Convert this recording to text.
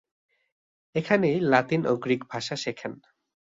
এখানেই লাতিন ও গ্রিক ভাষা শেখেন।